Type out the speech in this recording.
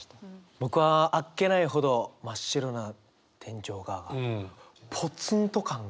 僕は「あっけないほど真っ白な天井が」がポツンと感が。